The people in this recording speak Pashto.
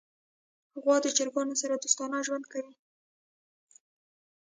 غوا د چرګانو سره دوستانه ژوند کوي.